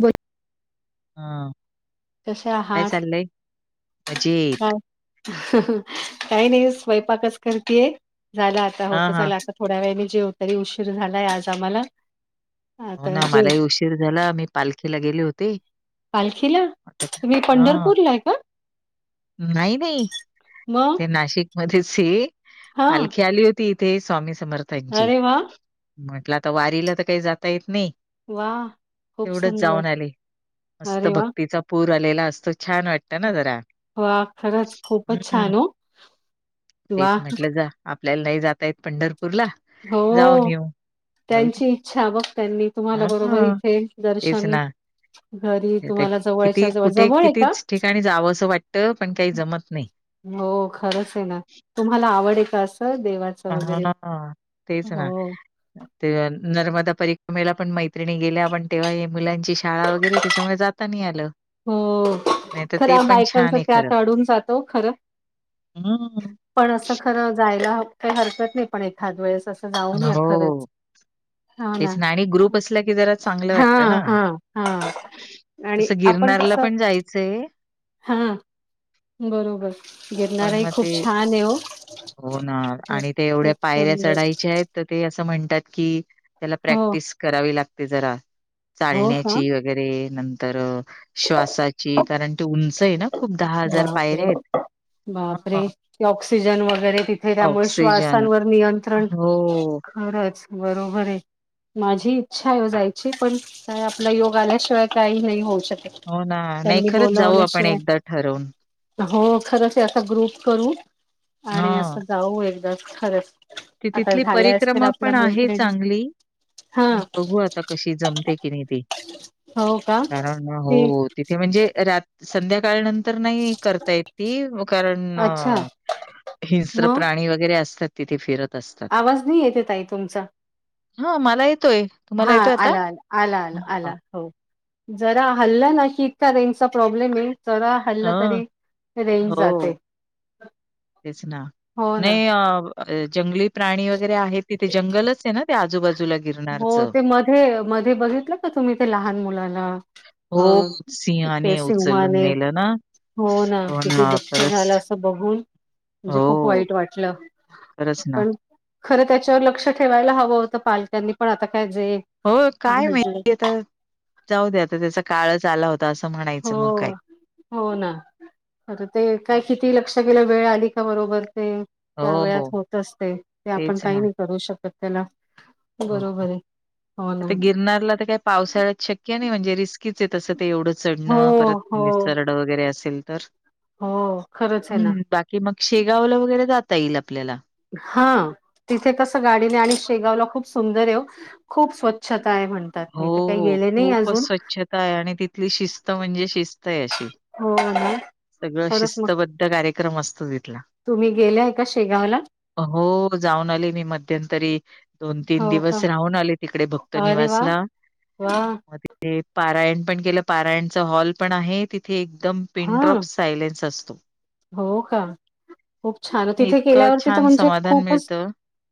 बोल. हा कसे काय आहात? चाललंय? काय मजेत काही नाही, स्वयंपाकच करतीय, झाला आता हां, होतच हां. आलं असं थोड्या वेळाने जेव तरी उशीर झालाय आज आम्हाला. हो आता ना जेव मलाही उशीर झाला, मी पालखीला गेले होते. पालखीला,, आता तुम्ही हां. पंढरपूरला आहे का? नाही, नाही मग ते नाशिक मध्येच हे हा पालखी आली हो ती इथे स्वामी समर्थांची अरे वा म्हटलं आता वारीला तर काही जाता येत नाही. वा खूप तेवढच सुंदर जाऊन आली मस्त अरे वा भक्तीचा पूर आलेला असतो, छान वाटतं ना जरा. वा खरंच खूपच हं. छान हो वा. तेच म्हटलं जा आपल्याला नाही जातयेत पंढरपूर ला. हो. त्यांची इच्छा बघ त्यांनी तुम्हाला बरोबर हां, इथे तेच दर्शन ना. घरी आता तुम्हाला जवळच्या किती जवळ, जवळ आहे का? ट पण काही जमत नाही. हो खरंच आहे ना, तुम्हाला आवड आहे का असं देवा हा ना हा तेच ना. ते नर्मदा परिक्रमेला पण मैत्रिणी गेल्या आपण तेव्हा मुलांची शाळा वगैरे त्याच्यामुळे जात ता नीही आल. हो खरं बायकांच छान आहे त्यात अडून जातो खरं. हम्म. पण असं खरं जायला काही हरकत नाही पण एखाद वेळेस असं जाऊन या हो, खरंच. हो ना तेच आणि ग्रुप असला की जरा चांगलं हा वाटतं ना. हा हा आणि तसं आपण गिरनारला कसं पण जायचंय, [inaudible] हा. बरोबर पण गिरणाराही मग खूप ते छान आहे हो. हो ना खूप आणि ते एवढ्या खूप पायऱ्या सुंदर चढायच्या ते म्हणतात की त्याला हो प्रॅक्टिस करावी लागते जरा. हो का चालण्याची वगैरे नंतर श्वासाची कारण ती उंच आहे ना. खूप दहा हजार पायऱ्या बापरे आहेत, हा. बापरे ते ऑक्सिजन वगैरे तिथे त्यामुळे ऑक्सिजन. श्वासांवर नियंत्रण हो, खरंच बरोबर आहे. माझी इच्छा आहे हो जायची पण का आपला योग आल्याशिवाय काही नाही होऊ शकेल. हो ना नाही खरंच जाऊ आपण एकदा ठरवून. हो खरंच असा ग्रुप करू आणि हां. असं जाऊ एकदाच खरंच. ती आता तिथली झाल्या असतील परिक्रमा आपल्या पण आहे मैत्रिणी. चांगली. हा बघू आता कशी जमते की नाही ते, हो का कारण ना ती हो. तिथे म्हणजे रात संध्याकाळनंतर तर नाही करता येत ती कारण अच्छा हिस्र मग प्राणी वगैरे असतात तिथ. तिथे फिरत असतात आवाज नाही येते ताई तुमचा [inaudible] हा मला ये ते, तुम्हाला हा येतोय आता? आला आला आला आला आला हो, जरा हल्ला ना की रेंजचा प्रॉब्लेम आहे जरा हाल्ल हं. तरी रेंज जाते. तेचना हो ना नाही अ, जंगली प्राणी वगैरे आहे तिथे जंगलच आहे ना ते आजूबाजूलाे हो ते मध्ये, मध्ये बघितलं का तुम्ही ते लहान मुलाला हो, अ ते सिंहाने उचलून सिंहाने नेलं ना. हो ना किती दुःख झालं अस बघून [inaudible] म्हणजे खूप हो, वाईट वाटलं खरंच [inaudible] ना. पण खरं त्याच्यावर लक्ष ठेवायला हवं होतं पालक्यांनी पण आता काय जे हो काय घडले माहिती आता जाऊ द्या आता त्याचा काळच आला होता असं हो म्हणायचं मग काय. हो ना आता ते काय किती लक्ष केेलं वेळ आली का बरोबर ते त्या वेळात हो, होत असते, ते आपण तेच काही ना. नाही करू शकत त्याला. हो, हो. बरोबर ये, हो आता ना गिरनारला तर काही पावसाळ्यात शक्य नाही म्हणजे रिस्कीच आहे तस ते एवढ चढण हो परत अस हो निसर वगरे असेल तर हो खरच ये ना कि मग शेगावला वगैरे जाता येईल आपल्याला हा तिथे कस गाडीन ये आणि शेगावला खूप सुंदर ये वो खूप स्वच्छता ये म्हणे हो खूप स्वच्छता ये आणि तिथली शिस्त म्हणजे शिस्त ये अशी हो सगळ खरंच मग शिस्तबद्ध कार्यक्रम असतो तिथला तुम्ही गेलाय का शेगावला हो जाऊन आले मी मध्यंतरी दोन तीन हो का दिवस राहून आले तिकडे भक्त अरे निवास वाह! ला वाह! ते पारायण पण केल, पारायणच हॉल पण आहे तिथे एकदम हां. पिनड्रॉप्स सायलेन्स असतो हो का खूप छान तिथे इतकं केल्यावरती तर छान म्हणजे समाधान खूपच मिळतं.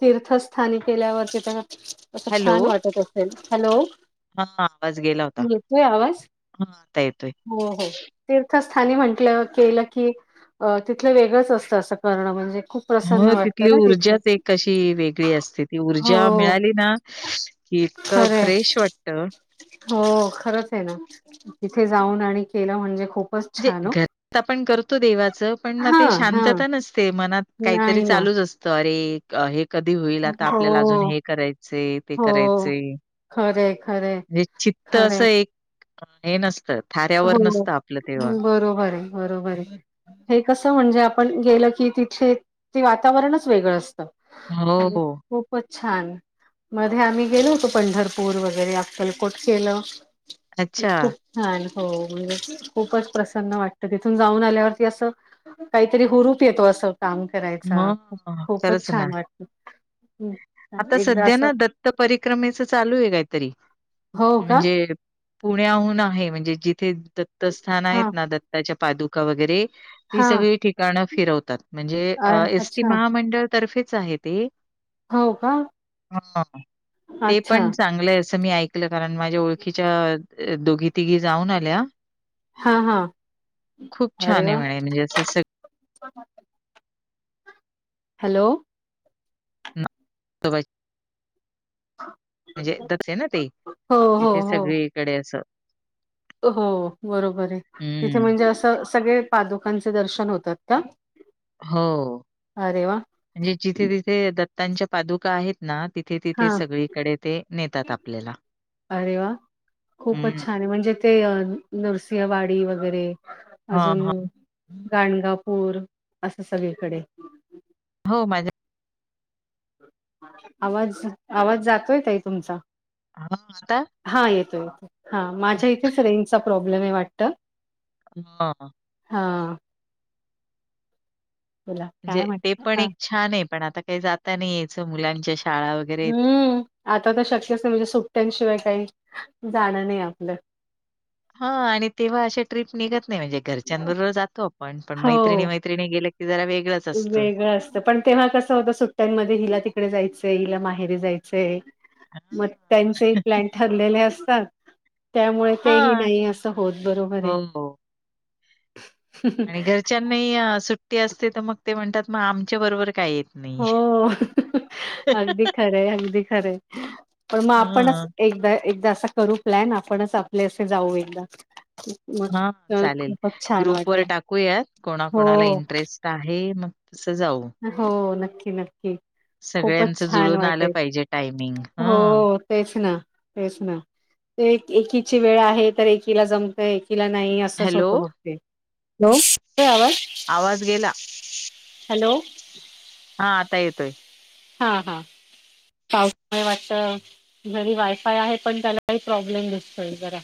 तीर्थस्थानी केल्यावरती तर अस हॅलो, छान वाटत असेल, हॅलो हां, येतोय आवाज? हा आता येतोय. हो, हो. तीर्थस्थानी म्हटल केल, की अ तिथल वेगळच असत अस करण म्हणजे खूप प्रसन्न ह वाटतं तिथली ना तिथे. ऊर्जाच एक अशी वेगळी असते ती ऊर्जा हो, मिळाली ना कि इतक खरं आहे. फ्रेश वाटत? हो खरच ये ना, तिथे जाऊन आणि केल म्हणजे खूप जे घरात आपण करतो देवाच पण मग ते हां, हां. शांतता नसते मनात काहीतरी नाही ना. चालू असत, अरे हे कधी होईल आता आपल्याला अजून हो, हे करायचय ते हो. करायचय खरं आहे, खरं आहे, म्हणजे चित्त खरं आहे. अस एक हे नसत थाऱ्यावर नसत आप ह बरोबर ये बरोबर ये हे कस म्हणजे आपण गेल की तिथे ते वातावरणच वेगळ असत. हो. खूपच छान मध्ये आम्ही गेलो होतो पंढरपूर वगैरे अक्कलकोट केल. अच्छा. खूप छान हो म्हणजे खूपच प्रसन्न वाटत, तिथून जाऊन आल्यावरती अस काहीतरी हुरूप येतो अस काम करायचा मग खूपच खरंच ना. छान वाटत. हम आता सध्या ना दत्त परिक्रमेच चालू ये कायी तरी हो का म्हणजे पुण्याहून आहे, म्हणजे जिथे दत्तस्थान आहेत हा ना दत्ताच्या पादुका वगैरे ती हा सगळी ठिकाण फिरवतात म्हणजे अ एस. टी अच्छा महामंडळतर्फेच आहे ते हव का? अ हा ते अच्छा पण चांगलय अस मी ऐक कल कारण माझ्या ओळखीच्या दोघी तिघी जाऊन आल्या. हा हा, खूप अरे छान आहे वा! म्हणे म्हणजे असं सग हॅलो [unintelligible] [unintelligible] म्हणजे तसे आहे ना ते हो हो तिथे सगळीकडे असं हो बरोबर आहे, तिथे हम्म. म्हणजे असं सगळे पादुकांचे दर्शन होतात का? हो, अरे वा! म्हणजे जिथे तिथे दत्तांच्या पादुका आहेत ना तिथे हा तिथे सगळीकडे ते नेतात आपल्याला हम्म. आणि म्हणजे ते नरसिंहवाडी वगैरे हां, अजून हां. गाणगापूर असं सगळीकडे. हो माझ्या आवाज आवाज जातोय ताई तुमचा. हां, आता हा येतो येतो हा हां, माझ्या इथे रेंचचा प्रॉब्लेम आहे वाटतं. हा हा. हा. बोला म्हणजे काय ते म्हणता? पण हा एक छान आहे पण आता काही जाता नाही यायचं मुलांच्या शाळा वगैरे आहेत. हम्म, आता तर शक्यच नाही म्हणजे सुट्टयांशिवाय काही जाणं नाही आपलं. हा आणि तेव्हा अशा ट्रीप निघत नाही म्हणजे घरच्यांबरोबर जातो आपण पण हो मैत्रिणी मै त्रिणी गेलं की जरा वेगळंच. असतं. वेगळं असतं पण तेव्हा कसं होतं सुट्ट्यांमध्ये हिला तिकडे जायचंय हिला माहेरीे जायचंय. मग हां. त्यांचे प्लॅन ठरलेले असतात हां. त्यामुळे तेही नाही असं होत बरोबर आहे. हो, हो. आणि घरच्यांनाही सुट्टी असते तर मग ते म्हणतात मग आमच्या बरोबर का येत नाही?" हो हो अगदी खरं आहे, अगदी खरं आहे. पण मग आपणचं हं, एकदा एकदा असा करू प्लॅन आपणचं आपले असे जाऊ एकदा. मग हा तर चालेल, खूपच छान ग्रुप वर वाटेल टाकूयात हो कोणाकोणाला इंटरेस् ट आहे मग तसं जाऊ. हो नक्की नक्की खूपचं सगळ्यांचं छान जुळून आलं वाटेल पाहिजे टायमिंग हो. हं. तेच ना तेच ना. ते एक एकीची वेळ आहे तर एकीला जमतंय एकीला नाही असं असंच हॅलो होतं मग ते, हॅलो येतोय आवाज. आवाज गेला. हॅलो. हा आता येतोय. हा हा. पाऊस आहे वाटतं, घरी वायफाय आहे पण त्याला काही प्रॉब्लेम दिसतोय जरा.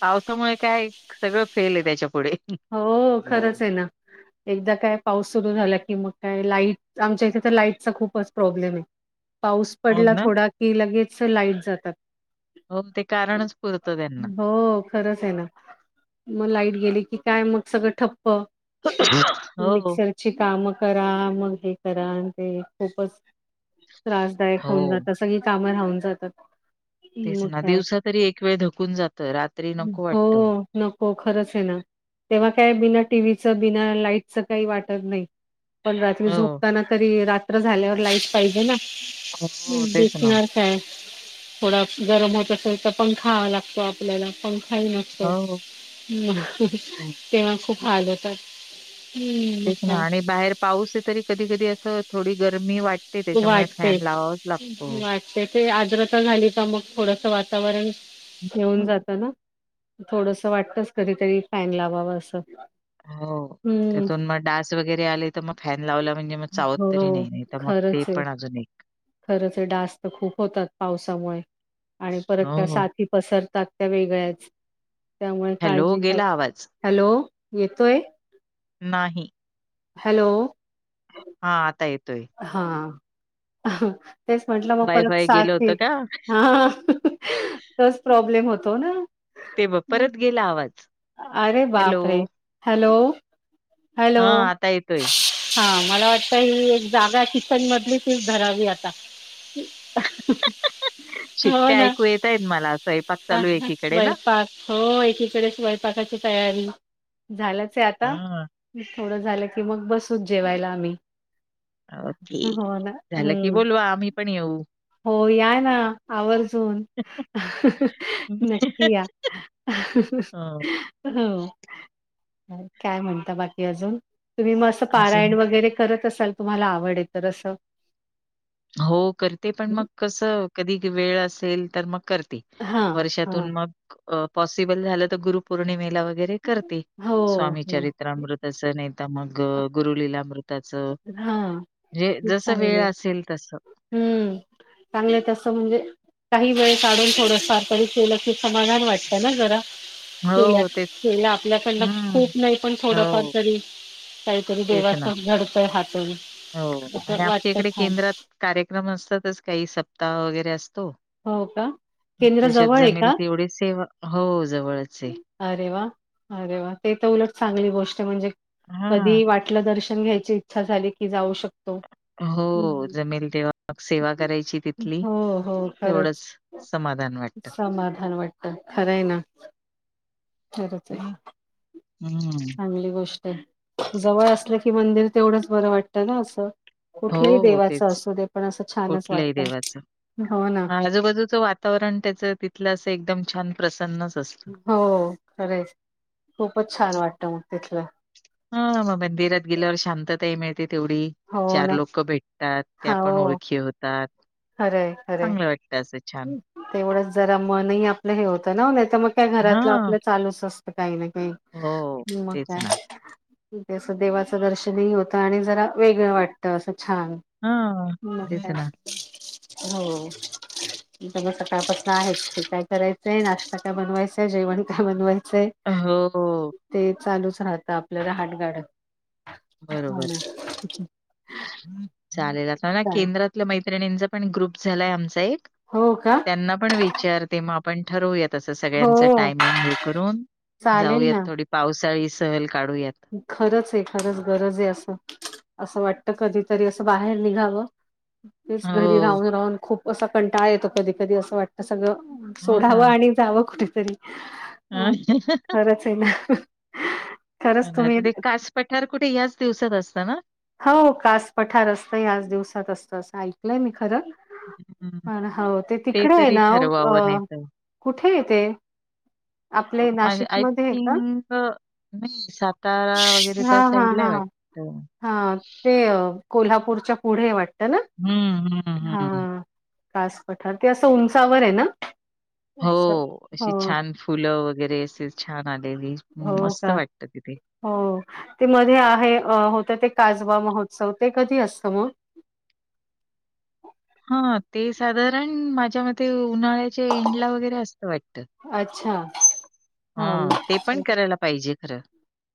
पावसामुळे काय सगळं फेल आहे त्याच्यापुढे. हो खरंच आहे ना. एकदा काय पाऊस सुरू झाला की मग काय लाईट आमच्या इथे तर लाईटचा खूपच प्रॉब्लेम आहे. पाऊस हो पडला ना थोडा की लगेच लाईट जातात. हो ते कारणच पुरतं त्यांना. हो खरंच आहे ना, मग लाईट गेली की काय मग सगळं ठप्प. हो हो मिक्सरची कामं करा मग हे करा आणि ते खूपच त्रासदायक होऊन हो जातात सगळी कामं राहून जातात. तेच मग ना काय दिवसा तरी एक वेळ धकून जात रात्री नको वाटतं. हो नको खरंच आहे ना तेव्हा काय बिना टी व्ही चं बिना लाईटच काही वाटत नाही. पण रात्री हो झोपताना तरी रात्र झाल्यावर लाईट पाहिजे ना हो तेच ना दिसणार काय, थोडा गरम होत असेल तर पंखा हवा लागतो आपल्याला पंखाही नसतो. हो. हो, तेव्हा खूप हाल होतात. हम्म मग तेच ना काय आणि बाहेर पाऊस आहे तरी कधी कधी असं थोडी गरमी वाटते त्याच्यामुळे वाटते फॅन लावा. वाटते ते आजर तर झाली का मग थोडस वातावरण येऊन हम्म. जात ना थोडस वाटतस कधीतरी फॅन लावावं असं. हो हम्म त्यातून मग डास वगैरे आले तर मग फॅन लावला म्हणजे मग चावत तरी हो नाही नाही तर मग ते पण अजून एक खरच डस्त खूप होतात पावसामुळे आणि परत त्या हो. साथी पसरतात त्या वेगळ्याच त्यामुळे हॅलो काळजी घ्या गेला आवाज? हॅलो येतोय. नाही. हॅलो. हा आता येतोय. हा. तेच म्हंटलं मग परत वाय-फाय गेलं साथ होतं का? हा तच प्रॉब्लेम होतो ना. ते बघ मग परत गेला आवाज. अरे हॅलो. बाप रे हॅलो. हॅलो हां, आता येतोय. हा मला वाट काही एक जागा किचन मधली तच धरावी आता हो शिट्ट्या ना ऐकू येतायेत मला. स्वयंपाक चालू आहे एकीकडे ना. स्वयंपाक. हो एकीकडे स्वयंपाकाची तयारी झाल्याच आहे आता हां. थोडं झालं की मग बसच जेवायला आम्ही. हो हो ना झालं की हम्म बोलवा आम्ही पण येऊ. हो या ना आवर्जून नक्की या. हो. अ. हो काय म्हणता बाकी अजून तुम्ही मस्त. अजून पारायण वगैरे करत असाल तुम्हाला आवड तर असं. हो करते पण मग कसं कधी वेळ असेल तर मग करते. हां हां वर्षातून मग पॉसिबल झालं तर गुरु पौर्णिमेला वगैरे करते हो हो स्वामीचरित्र. त्रामृत असं नाहीता मग गुरुलीलामृत. त्याच हां हेे खूप जस वेळ चांगले असेल तस हम्म चांगलं तसं म्हणजे काही वेळ काढून थोड सार पडी. केलं की समाधान वाटतं ना जरा. केल्या हो, तेच. केल्या आपल्याकडन हं. खूप नाही पण थोडंफार हो, तरी काहीतरी तेच देवास ना. घडतय हातून हो आणि असं आमच्या इकडे वाटत हान केंद्रात कार्यक्रम असतातच काही सप्ताह वगैरे असतो. हो का केंद्र त्याच्यात जवळ आहे जमेल का तेवढी सेवा हो जवळचे. अरे वा अरे वा ते तर उलट चांगली गोष्ट आहे म्हणजे हां. कधी वाट आपलं दर्शन घ्यायची इच्छा झाली की जाऊ शकते. हो जमेल तेव्हा मग सेवा करायची तिथली. हो हो खरंच तेवढंच समाधान वाटतं. समाधान वाटतं खरं आहे ना. खरंच आहे. हम्म. चांगली गोष्ट आहे जवळ असलं की मंदिर तेवढंच बरं वाटत ना असं. हो कुठल्याही हो देवाचं तेच असू दे पण असं छानच कुठल्याही वाटत देवाचं. हो ना. आजूबाजूचं वा वातावरण त्याचं तिथलं असं एकदम छान प्रसन्नच अस हो खरंय, खूपच छान वाटतं मग तिथलं. हा मग मंदिरात गेल्यावर शांतताही मिळते तेवढी, हो चार नाही लोकं भेटतात, त्या हा पण हो ओळखी होतात. खरंय खरंय. चांगलं वाटतं, असं छान. तेवढंच जरा मनही आपलं हे होतं ना, नाही तर मग काय हा घरातलं आपलं चालूच असतं काही ना काही, हो मग तेच काय ना ते असं देवाचं दर्शनही होतं आणि जरा वेगळं वाटत असं छान. हा तेच ना [unintelligible] हो. नाहीतर म सकाळपासनं आहेच ते काय करायचंय, नाश्ता काय बनवायचंय, जेवण काय बनवायचंय, अ हो... ते चालूच राहतं, आपलं रहाट गाडं बरोबर चालेल आता ना चालेल केंद्रातल्या मै त्रिणींचा पण ग्रुप झालाय आमचा एक, हो, का.. त्यांना पण विचारते, मग आपण ठरवूयात. तसं हो सगळ्यांचं टायमिंग हे करून, चालेल जाऊयात थोडी पावसाळी सहल काढूयात. खरच ए खरंच गरज आहे असं, असं वाटत कधीतरी असं बाहेर निघावं. तेच घरी हो. राहून-राहून खूप असा कंटाळा येतो कधी-कधी असं वाट सगळं हो सोडावं ना. आणि जावं कुठतरी, खरंच आहे ना. खरंच तुम्ही नाहीतर ते कास पठार कुठे याच दिवसात असतं ना? हो कास पठार असतं, ह्याच दिवसात असतं, असं ऐकलंय मी खरं. हं. पण हो ते तिकडे आहे तरी ना ओ, ठरवावं अ कुठेय ते? आपले माझ्या आय नाशिकमध्ये आहे का थिंक नाही सातारा वगैरे त्या साईडला हय वाटतं. हा ते कोल्हापूरच्या पुढेय वाटतं ना? हं, हं, हं. हां... कास पठार ते असं उंचावर ये ना? हो असं हो, अशी छान फुलं वगैरे, असे छान आलेली हो मस्त का? वाटतं तिथे. हो ते मध्ये आहे होतं ते काजवा महोत्सव ते कधी असतं मग? हा ते साधारण माझ्या मते, उन्हाळ्याच्या एंड ला वगैरे असतं वाटतं. अच्छा.. हा ते हां. पण करायला पाहिजे खरं,